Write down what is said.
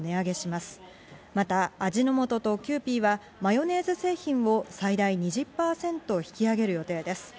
また味の素とキユーピーはマヨネーズ製品を最大２０％、引き上げる予定です。